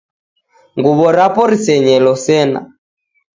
Nguw'o rapo risenyelo sena.